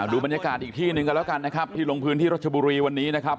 ดูบรรยากาศอีกที่หนึ่งกันแล้วกันนะครับที่ลงพื้นที่รัชบุรีวันนี้นะครับ